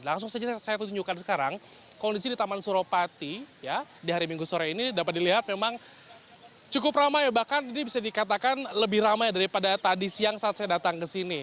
langsung saja saya tunjukkan sekarang kondisi di taman suropati di hari minggu sore ini dapat dilihat memang cukup ramai bahkan ini bisa dikatakan lebih ramai daripada tadi siang saat saya datang ke sini